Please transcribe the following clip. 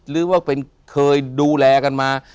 หรือว่าเคยดูแลกันมา